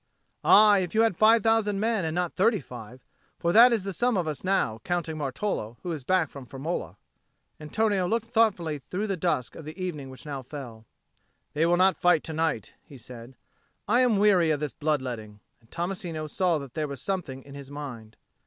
"Aye, if you have five thousand men and not thirty five for that is the sum of us now, counting Martolo, who is back from Firmola." Antonio looked thoughtfully through the dusk of evening which now fell. "They will not fight to night," he said. "I am weary of this blood letting." And Tommasino saw that there was something in his mind.